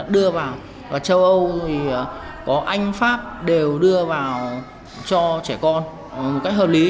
đưa vào và châu âu có anh pháp đều đưa vào cho trẻ con một cách hợp lý